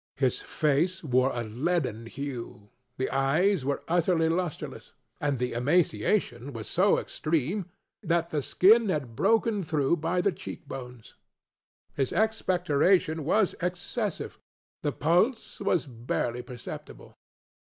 His face wore a leaden hue; the eyes were utterly lustreless; and the emaciation was so extreme that the skin had been broken through by the cheek bones. His expectoration was excessive. The pulse was barely perceptible.